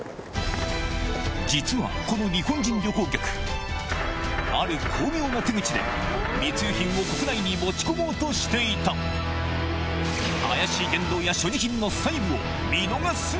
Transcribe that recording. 実はこの日本人旅行客ある巧妙な手口で密輸品を国内に持ち込もうとしていたそれ。